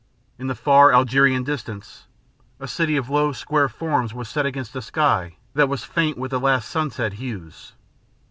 In the far Algerian distance, a city of low square forms was set against a sky that was faint with the last sunset hues.